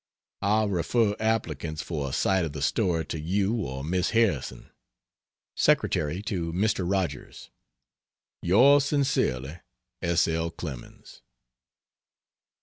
I'll refer applicants for a sight of the story to you or Miss Harrison. [Secretary to Mr. Rogers.] Yours sincerely, S. L. CLEMENS.